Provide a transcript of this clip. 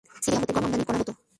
Syria হ’তে গম আমদানী করা হ’ত।